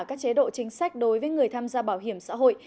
tri trả các chế độ chính sách đối với người tham gia bảo hiểm xã hội